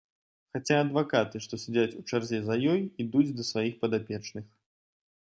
Хаця адвакаты, што сядзяць у чарзе за ёй, ідуць да сваіх падапечных.